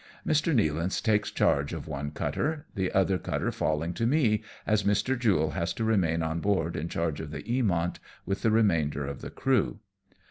Mr. Nealance takes charge of one cutter, the other cutter falling to me, as Mr. Jule has to remain on board in charge of the Eamont with the remainder of the crew.